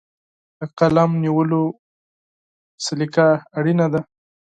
د قلم نیولو سلیقه مهمه ده.